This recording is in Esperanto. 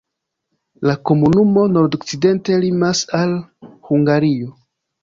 La komunumo nord-okcidente limas al Hungario.